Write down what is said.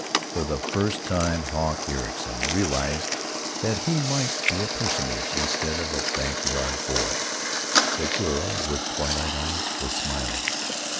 For the first time Hawk Ericson realized that he might be a Personage instead of a back yard boy.... The girl with twilight eyes was smiling.